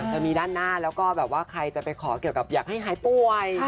จะมีด้านหน้าแล้วก็แบบว่าใครจะไปขอเกี่ยวกับอยากให้หายป่วย